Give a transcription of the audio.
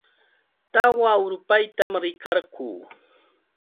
Tawa urpaytam rikarquu.